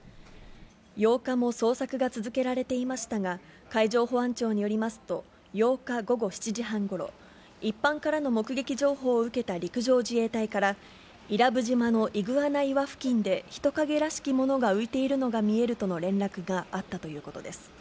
８日も捜索が続けられていましたが、海上保安庁によりますと、８日午後７時半ごろ、一般からの目撃情報を受けた陸上自衛隊から、伊良部島のイグアナ岩付近で人影らしきものが浮いているのが見えるとの連絡があったということです。